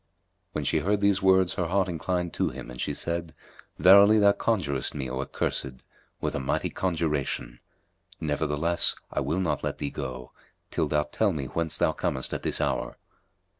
When she heard these words her heart inclined to him and she said, "Verily, thou conjurest me, O accursed, with a mighty conjuration. Nevertheless, I will not let thee go, till thou tell me whence thou comest at this hour."